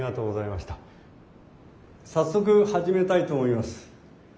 早速始めたいと思います。